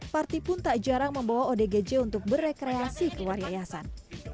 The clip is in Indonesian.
parti pun tak jarang membawa odgj untuk berekreasi keluar yayasan